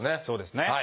そうですね。